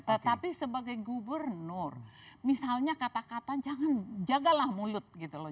tetapi sebagai gubernur misalnya kata kata jangan jagalah mulut gitu loh